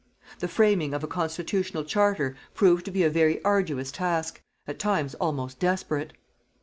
The framing of a constitutional charter proved to be a very arduous task, at times almost desperate.